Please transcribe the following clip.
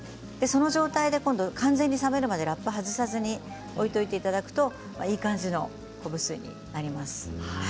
その状態で今度は完全に冷めるまでラップを外さずに置いておいていただくといい感じの昆布水になります。